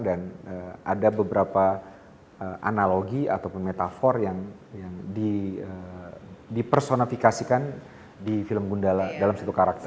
dan ada beberapa analogi ataupun metafor yang dipersonifikasikan di film gundala dalam satu karakter